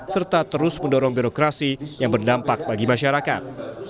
serta terus mendorong birokrasi yang berdampak bagi masyarakat